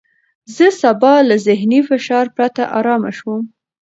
زه به سبا له ذهني فشار پرته ارامه شوم.